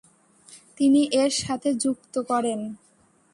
তিনি এর সাথে যুক্ত করেন ।